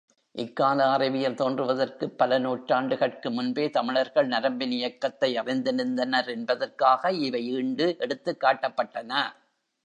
இக்கால அறிவியல் தோன்றுவதற்குப் பல நூற்றாண்டுகட்கு முன்பே தமிழர்கள் நரம்பின் இயக்கத்தை அறிந்திருந்தனர் என்பதற்காக இவை ஈண்டு எடுத்துக்காட்டப்பட்டன.